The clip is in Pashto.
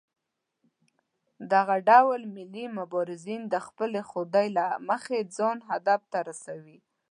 دغه ډول ملي مبارزین د خپلې خودۍ له مخې ځان هدف ته رسوي.